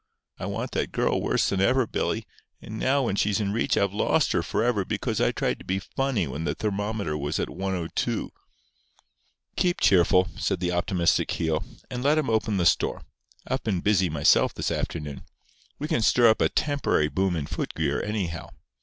I want that girl worse than ever, Billy, and now when she's in reach I've lost her forever because I tried to be funny when the thermometer was at 102." "Keep cheerful," said the optimistic Keogh. "And let 'em open the store. I've been busy myself this afternoon. We can stir up a temporary boom in foot gear anyhow.